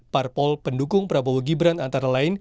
parpol pendukung prabowo gibran antara lain